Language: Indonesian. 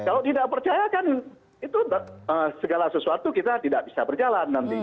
kalau tidak percaya kan itu segala sesuatu kita tidak bisa berjalan nanti